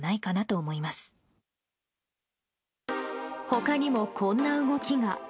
他にも、こんな動きが。